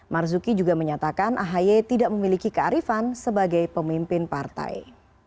marzuki juga menyatakan ahy tidak memiliki kearifan sebagai pemimpin partai